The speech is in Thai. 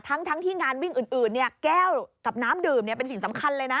ทั้งที่งานวิ่งอื่นแก้วกับน้ำดื่มเป็นสิ่งสำคัญเลยนะ